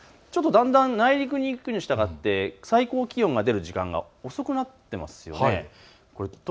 だんだん内陸に行くに従って最高気温が出る時間が遅くなっていますね。